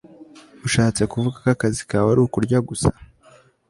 ushatse kuvuga ko akazi kawe ari ukurya gusa